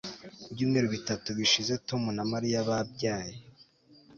Ibyumweru bitatu bishize Tom na Mariya babyaye